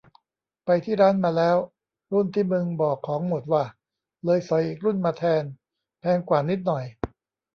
ไปที่ร้านมาแล้ว รุ่นที่มึงบอกของหมดว่ะ เลยสอยอีกรุ่นมาแทน แพงกว่านิดหน่อย